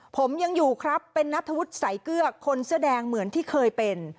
ผมยังอยู่ครับเป็นนัทธวุฒิสายเกลือคนเสื้อแดงเหมือนที่เคยเป็น